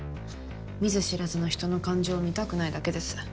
見ず知らずの人の感情を見たくないだけです。